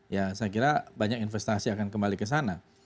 ya saya kira banyak investasi akan kembali ke sana